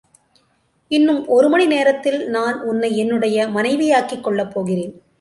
இன்னும் ஒரு மணிநேரத்தில் நான் உன்னை என்னுடைய மனைவியாக்கிக் கொள்ளப்போகிறேன்.